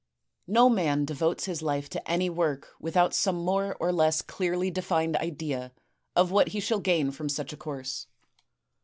" No man devotes his life to any work without some more or less clearly defined idea of what he shall gain from such a course.